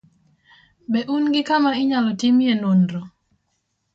be un gi kama inyalo timie nonro?